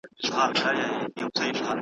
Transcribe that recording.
ما مي د شمعي له ګرېوان سره نصیب تړلی ,